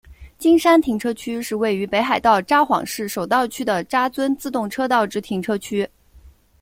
金山停车区是位于北海道札幌市手稻区的札樽自动车道之停车区。